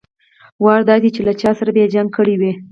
وار دا چې له چا سره به يې جنګ کړى وي.